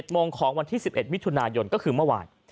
โมงของวันที่๑๑มิถุนายนก็คือเมื่อวาน